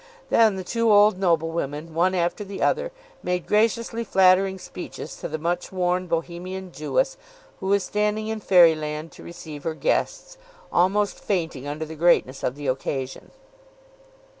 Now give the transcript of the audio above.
Then the two old noblewomen, one after the other, made graciously flattering speeches to the much worn Bohemian Jewess, who was standing in fairyland to receive her guests, almost fainting under the greatness of the occasion.